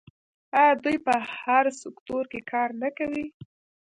آیا دوی په هر سکتور کې کار نه کوي؟